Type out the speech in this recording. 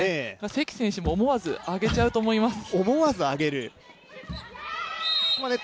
関選手も思わず上げちゃうと思います。